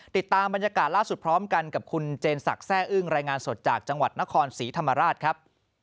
ติดตามบรรยากาศล่าสุดพร้อมกันกับคุณเจนศักดิ์แซ่อึ้งรายงานสดจากจังหวัดนครศรีธรรมราชครับ